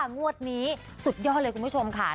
งวดนี้สุดยอดเลยคุณผู้ชมค่ะ